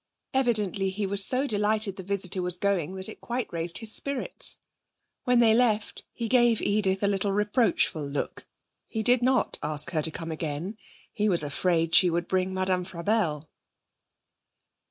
Evidently he was so delighted the visitor was going that it quite raised his spirits. When they left he gave Edith a little reproachful look. He did not ask her to come again. He was afraid she would bring Madame Frabelle.